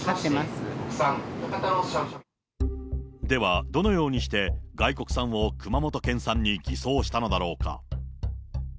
では、どのようにして外国産を熊本県産に偽装したのだろうか。